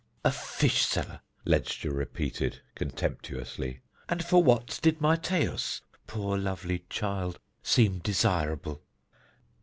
"A fish seller," Ledscha repeated contemptuously. "And for what did my Taus, poor lovely child, seem desirable?"